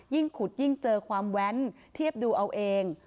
ขุดยิ่งเจอความแว้นเทียบดูเอาเอง